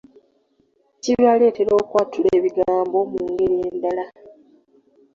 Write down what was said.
Kibaleetera okwatula ebigambo mu ngeri endala.